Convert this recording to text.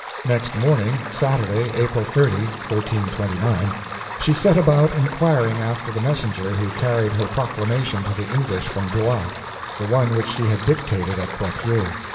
Next morning, Saturday, April 30, 1429, she set about inquiring after the messenger who carried her proclamation to the English from Blois—the one which she had dictated at Poitiers.